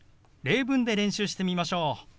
例文で練習してみましょう。